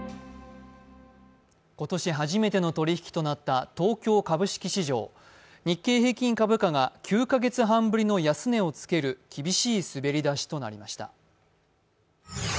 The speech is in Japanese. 今年初めての取引となった東京株式市場日経平均株価が９か月半ぶりの安値をつける厳しい滑り出しとなりました。